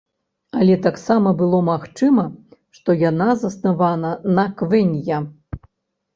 Але таксама было магчыма, што яна заснавана на квэнья.